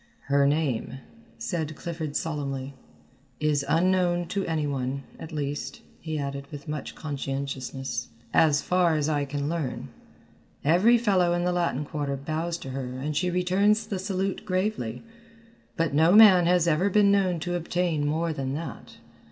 "Her name," said Clifford solemnly, "is unknown to any one, at least," he added with much conscientiousness, "as far as I can learn. Every fellow in the Quarter bows to her and she returns the salute gravely, but no man has ever been known to obtain more than that.